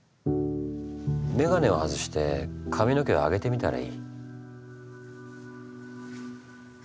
眼鏡を外して髪の毛を上げてみたらいい。